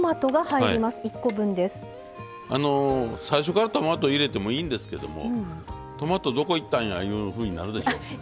最初からトマト入れてもいいんですけどもトマトどこいったんやいうふうになるでしょ？